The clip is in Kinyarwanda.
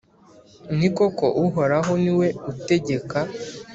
ni koko, uhoraho ni we utegeka,